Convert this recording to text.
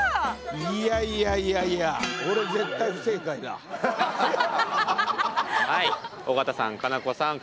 いやいやいやいや尾形さん佳菜子さん来